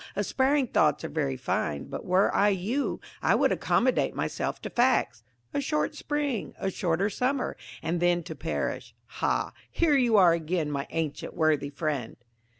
aspiring thoughts are very fine; but were I you, I would accommodate myself to facts. A short spring, a shorter summer, and then to perish. Ha! here you are again, my ancient worthy friend!"